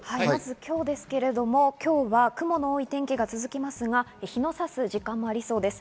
今日ですが、雲の多い天気が続きますが、日の差す時間もありそうです。